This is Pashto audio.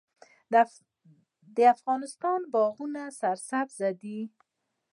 د افغانستان باغونه سرسبز دي